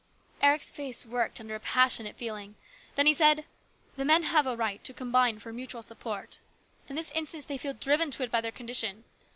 Eric's face worked under a passionate feeling. Then he said :" The men have a right to combine for mutual support. In this instance they feel driven to it by their condition.